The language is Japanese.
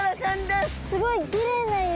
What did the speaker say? すごいきれいな色！